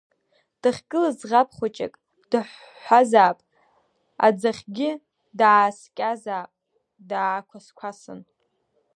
Дахьгылаз ӡӷаб хәыҷык дыҳәҳәазаап, аӡахьгьы дааскьазаап, даақәасқәасын.